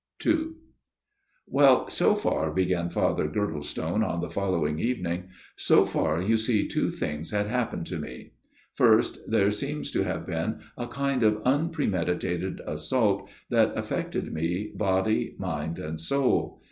II "WELL, so far," began Father Girdlestone on the following evening, " so far you see two things had happened to me. First there seems to have been a kind of unpremeditated assault that affected me body, mind and soul.